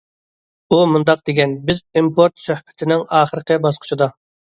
ئۇ مۇنداق دېگەن:« بىز ئىمپورت سۆھبىتىنىڭ ئاخىرقى باسقۇچىدا».